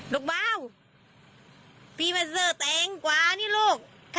ลูกบ้าวพี่มันเจอแตงกวาเนี่ยลูก